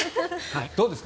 どうですか？